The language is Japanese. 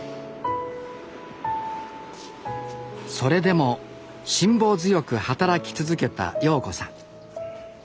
それでも辛抱強く働き続けた陽子さん。